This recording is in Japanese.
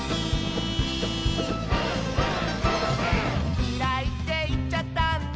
「きらいっていっちゃったんだ」